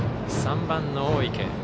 ３番の大池。